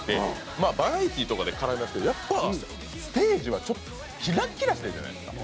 まあバラエティーとかで絡みますけどやっぱステージはキラッキラしてるじゃないですか。